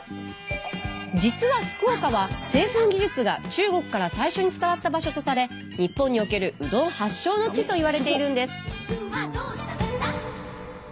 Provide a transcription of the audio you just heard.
実は福岡は製粉技術が中国から最初に伝わった場所とされ日本におけるうどん発祥の地といわれているんです。